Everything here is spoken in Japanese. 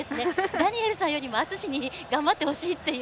ダニエルさんよりも篤に頑張ってほしいという。